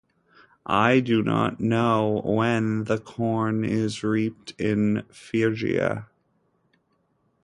I do not know when the corn is reaped in Phrygia.